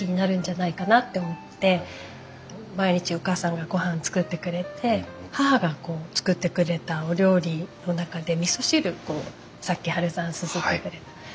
毎日お母さんがごはん作ってくれて母が作ってくれたお料理の中でみそ汁さっきハルさんすすってくれた。